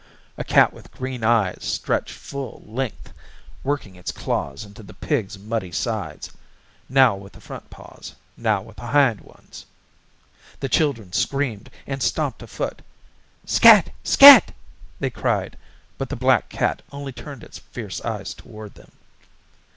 A cat with green eyes stretched full length working its claws into the pig's muddy sides, now with the front paws, now with the hind ones. The children screamed and stomped a foot. "Scat! Scat!" they cried but the black cat only turned its fierce eyes toward them.